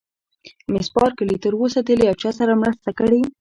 مس بارکلي: تر اوسه دې له یو چا سره مینه کړې؟